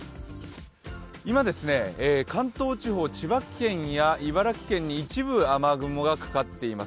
今、関東地方、千葉県や茨城県に一部雨雲がかかっています。